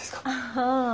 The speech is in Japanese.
ああ。